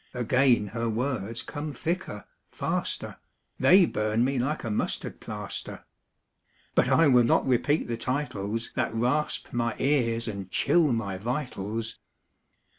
Again her words come thicker, faster, They burn me like a mustard plaster. But I will not repeat the titles That rasp my ears and chill my vitals.